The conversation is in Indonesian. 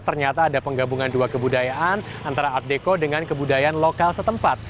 ternyata ada penggabungan dua kebudayaan antara art deko dengan kebudayaan lokal setempat